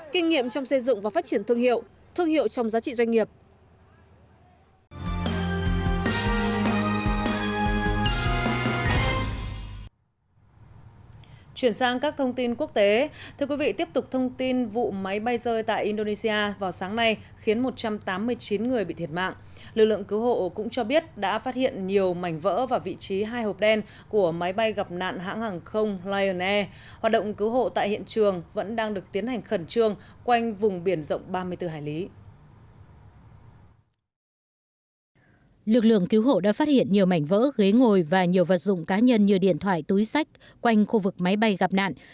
kinh nghiệm trong xây dựng và phát triển thương hiệu thương hiệu trong giá trị doanh nghiệp